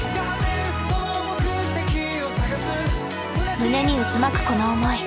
胸に渦巻くこの思い。